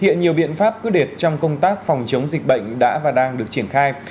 hiện nhiều biện pháp cứu đệt trong công tác phòng chống dịch bệnh đã và đang được triển khai